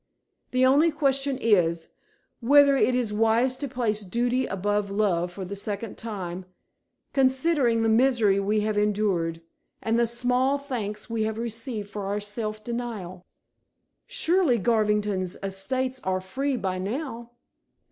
The only question is, whether it is wise to place duty above love for the second time, considering the misery we have endured, and the small thanks we have received for our self denial?" "Surely Garvington's estates are free by now?"